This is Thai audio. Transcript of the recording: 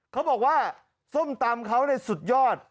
เขาบอกว่าส้มตำเขาสุดยอด